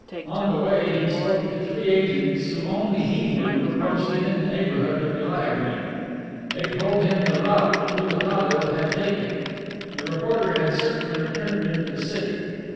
On the way he spoke to three agents who only he knew were posted in the neighborhood of Eliaguine. They told him the route Rouletabille had taken. The reporter had certainly returned into the city.